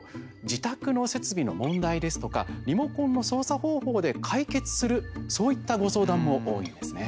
自宅の設備の問題ですとかリモコンの操作方法で解決するそういったご相談も多いんです。